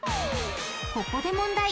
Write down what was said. ここで問題。